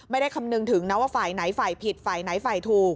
คำนึงถึงนะว่าฝ่ายไหนฝ่ายผิดฝ่ายไหนฝ่ายถูก